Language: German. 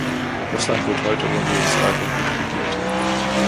Russland wird heute ohne jeden Zweifel gut regiert.